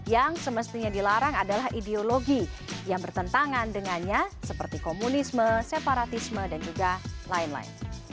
yang semestinya dilarang adalah ideologi yang bertentangan dengannya seperti komunisme separatisme dan juga lain lain